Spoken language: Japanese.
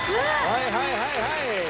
はいはいはいはい！